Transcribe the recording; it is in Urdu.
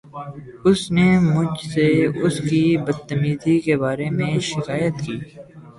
اُس نے مجھ سے اس کی بد تمیزی کے بارے میں شکایت کی۔